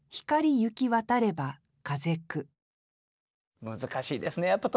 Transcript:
難しいですねやっぱ特選は。